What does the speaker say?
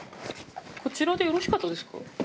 こちらでよろしかったですか？